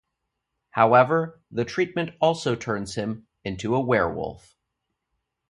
However, the treatment also turns him into a werewolf.